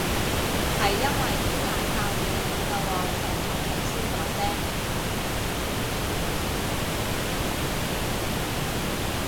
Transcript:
係因為啲奶泡會飲到我成肚氣先講啫